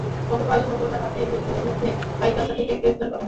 গতকাল মঙ্গলবার রাতে মিরপুরের মধ্য পাইকপাড়া থেকে তাঁদের গ্রেপ্তার করা হয়।